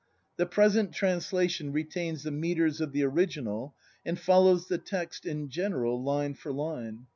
14 BRAND The present translation retains the metres of the orig inal, and follows the text, in general, line for line.